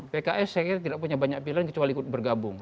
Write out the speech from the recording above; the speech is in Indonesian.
pks saya kira tidak punya banyak pilihan kecuali ikut bergabung